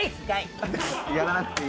やらなくていい。